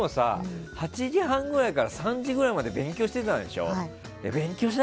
しかもさ、８時半ぐらいから３時ぐらいまで勉強してたじゃない。